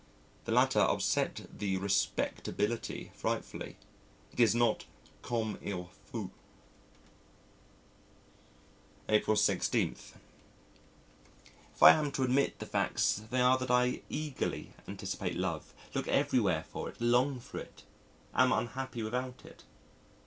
The latter upset the respectability frightfully it is not comme il faut. April 16. ... If I am to admit the facts they are that I eagerly anticipate love, look everywhere for it, long for it, am unhappy without it.